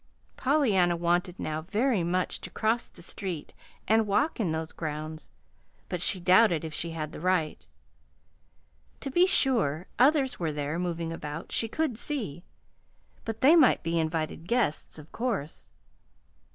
Pollyanna wanted now very much to cross the street and walk in those grounds, but she doubted if she had the right. To be sure, others were there, moving about, she could see; but they might be invited guests, of course.